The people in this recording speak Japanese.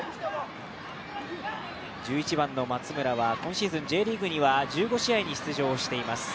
１１番の松村は今シーズンＪリーグには１５試合に出場しています。